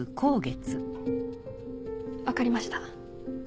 分かりました。